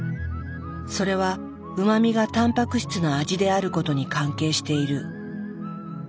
それはうま味がたんぱく質の味であることに関係している。